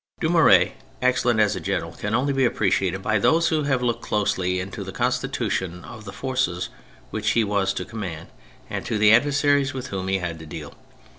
Dumouriez' excellence as a general can only be appreciated by those who have looked closely into the constitution of the forces which he was to command and the adversaries with whom he had to deal.